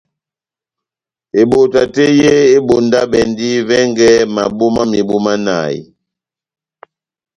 Ebota tɛ́h yé ebondabɛndi vɛngɛ mabo mámebu manahi.